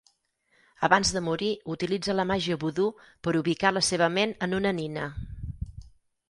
Abans de morir, utilitza la màgia vodú per ubicar la seva ment en una nina.